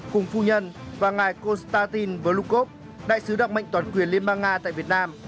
cùng phu nhân và ngài konstantin volukov đại sứ đặc mệnh toàn quyền liên bang nga tại việt nam